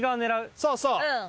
そうそう！